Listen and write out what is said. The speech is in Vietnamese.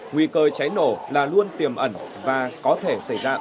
nguy cơ cháy nổ là luôn tiềm ẩn và có thể xảy ra